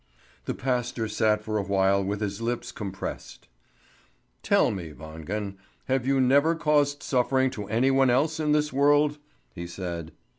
The pastor sat for a while with his lips compressed. "Tell me, Wangen! Have you never caused suffering to any one else in this world?" he said.